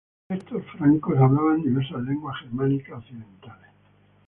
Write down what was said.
Estos francos hablaban diversas lenguas germánicas occidentales.